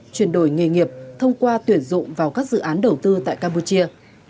chuyển đổi nghề nghiệp thông qua tuyển dụng vào các dự án đầu tư tại campuchia